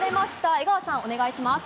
江川さん、お願いします。